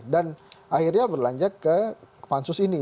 akhirnya berlanjut ke pansus ini